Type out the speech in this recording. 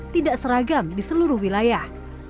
tidak seragam di seluruh wilayah